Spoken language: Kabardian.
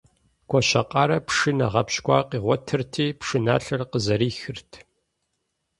Гуащэкъарэ пшынэ гъэпщкӀуар къигъуэтырти, пшыналъэр къызэрихырт.